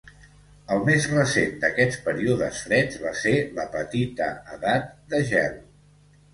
El més recent d'aquests períodes freds va ser la Petita Edat de Gel.